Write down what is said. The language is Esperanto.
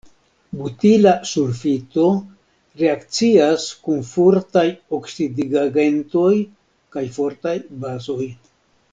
Butila sulfito reakcias kun fortaj oksidigagentoj kaj fortaj bazoj.